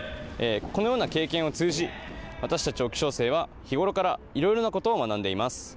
このような経験を通じ私たち沖尚生は日頃から色々なことを学んでいます。